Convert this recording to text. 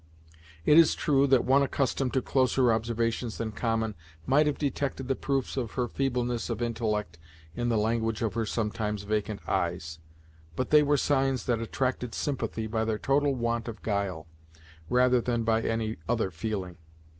It is true that one accustomed to closer observations than common, might have detected the proofs of her feebleness of intellect in the language of her sometimes vacant eyes, but they were signs that attracted sympathy by their total want of guile, rather than by any other feeling.